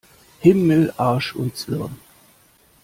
Himmel, Arsch und Zwirn!